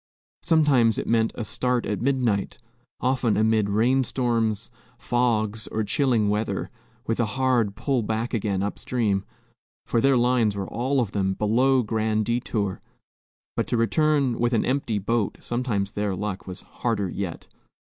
Sometimes it meant a start at midnight, often amid rainstorms, fogs, or chilling weather, with a hard pull back again up stream, for their lines were all of them below Grand Detour; but to return with an empty boat, sometimes their luck, was harder yet.